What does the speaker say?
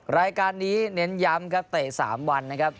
รายการนี้เน้นย้ำครับเตะ๓วันนะครับ